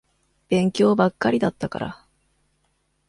勉強ばっかりだったから。